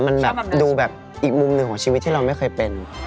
มันแบบดูแบบอีกมุมหนึ่งของชีวิตที่เราไม่เคยเป็น